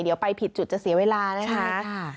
เดี๋ยวไปผิดจุดจะเสียเวลานะครับ